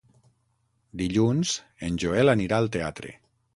Dilluns en Joel anirà al teatre.